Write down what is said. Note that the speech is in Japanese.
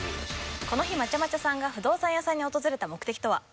この日まちゃまちゃさんが不動産屋さんに訪れた目的とは？